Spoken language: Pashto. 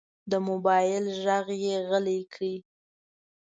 د موبایل زنګ یې غلی کړ.